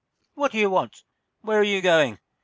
"What do you want? Where are you going?"